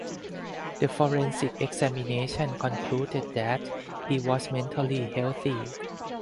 The forensic examination concluded that he was mentally healthy.